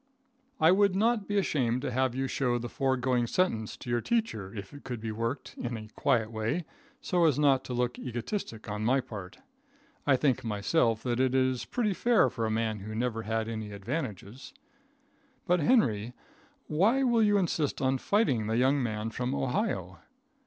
I would not be ashamed to have you show the foregoing sentence to your teacher, if it could be worked, in a quiet way, so as not to look egotistic on my part. I think myself that it is pretty fair for a man that never had any advantages. But, Henry, why will you insist on fighting the young man from Ohio?